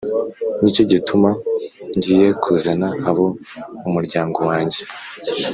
Ni cyo gituma ngiye kuzana abo mumuryango wanjye